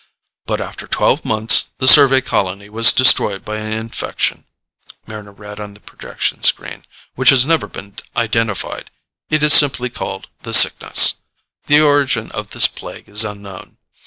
"But after twelve months the survey colony was destroyed by an infection," Mryna read on the projection screen, "which has never been identified. It is called simply the Sickness. The origin of this plague is unknown.